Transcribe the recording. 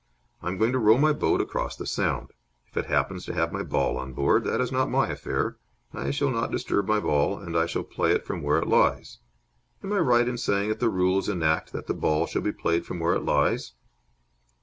I am going to row my boat across the sound. If it happens to have my ball on board, that is not my affair. I shall not disturb my ball, and I shall play it from where it lies. Am I right in saying that the rules enact that the ball shall be played from where it lies?"